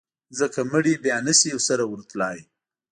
ځکه مړي بیا نه شي سره ورتلای.